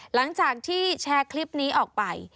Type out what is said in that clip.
หลังจากที่แชร์คลิปนี้ออกไป